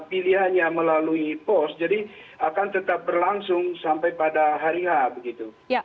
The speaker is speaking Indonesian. pilihannya melalui pos jadi akan tetap berlangsung sampai pada hari h begitu